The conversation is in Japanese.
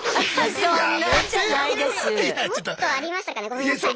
もっとありましたかねごめんなさい。